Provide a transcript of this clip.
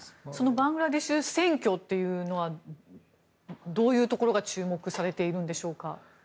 バングラデシュの選挙というのはどういうところが注目されているんでしょうか。